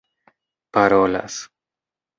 parolas